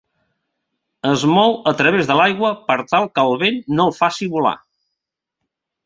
Es mou a través de l'aigua per tal que el vent no el faci volar.